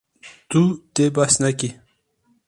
Tu dê behs nekî.